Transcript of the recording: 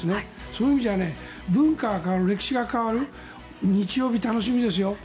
そういう意味じゃ文化が変わる、歴史が変わる日曜日楽しみですよ。